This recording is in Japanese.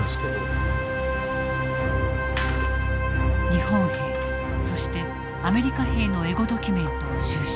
日本兵そしてアメリカ兵のエゴドキュメントを収集。